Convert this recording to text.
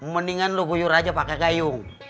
mendingan lu buyur aja pake gayung